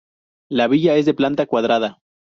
La villa es de planta cuadrada.